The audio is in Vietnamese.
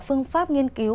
phương pháp nghiên cứu